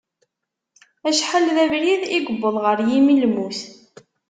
Acḥal d abrid i yewweḍ ɣer yimi n lmut.